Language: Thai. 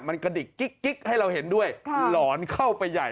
มันกระดิกกิ๊กให้เราเห็นด้วยหลอนเข้าไปใหญ่